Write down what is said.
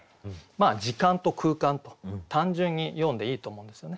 時間と空間と単純によんでいいと思うんですよね。